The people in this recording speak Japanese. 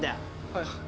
はい。